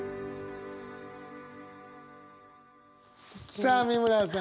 さあ美村さん。